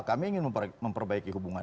kami ingin memperbaiki hubungan